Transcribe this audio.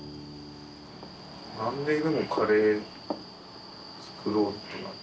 何ででもカレー作ろうとなったの？